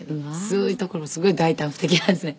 そういうところすごい大胆不敵なんですね。